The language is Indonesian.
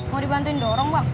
mau dibantuin dorong bang